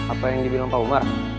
apa yang dibilang pak umar